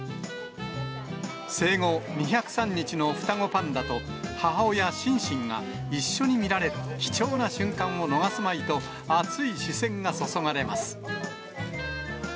生後２０３日の双子パンダと、母親、シンシンが一緒に見られる貴重な瞬間を逃すまいと、熱い視線が注がれます。